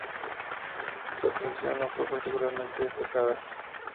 Su actuación no fue particularmente destacada.